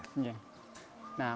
iya benar benar gemar